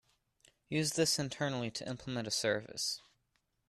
Use this internally to implement a service.